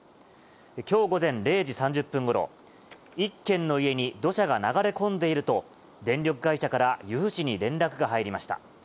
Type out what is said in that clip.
きょう午前０時３０分ごろ、１軒の家に土砂が流れ込んでいると、電力会社から由布市に連絡が入りました。